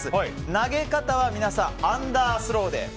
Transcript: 投げ方は皆さんアンダースローで。